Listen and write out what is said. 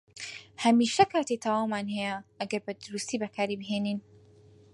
هەمیشە کاتی تەواومان هەیە ئەگەر بەدروستی بەکاری بهێنین.